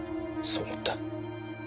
そう思った。